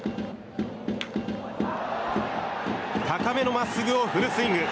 高めのまっすぐをフルスイング！